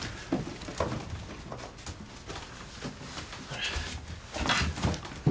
あれ。